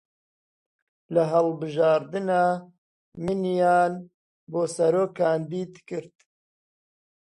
لە هەڵبژاردنا منیان بۆ سەرۆک کاندید کرد